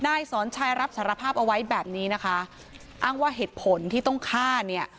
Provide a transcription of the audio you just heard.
นายสอนชายรับสารภาพเอาไว้แบบนี้นะคะอ้างว่าเหตุผลที่ต้องฆ่าเนี่ย